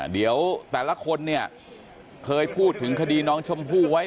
เดี๋ยวแต่ละคนเนี่ยเคยพูดถึงคดีน้องชมพู่ไว้